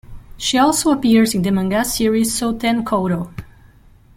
She also appears in the manga series "Souten Kouro".